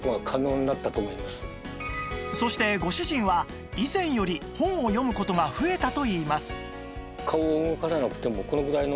そしてご主人は以前より本を読む事が増えたといいます